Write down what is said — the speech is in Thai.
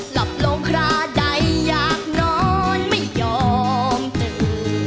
หลับลงคราใดอยากนอนไม่ยอมตื่น